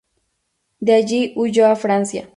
De allí huyó a Francia.